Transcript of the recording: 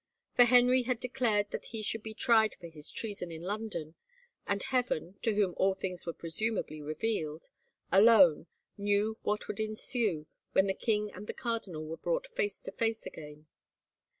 For Henry had declared that he should be tried for his trea son in London, and Heaven, to whom all things were presumably revealed, alone knew what would ensue when the king and the cardinal were brought face to face again.